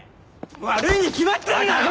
悪いに決まってんだろ！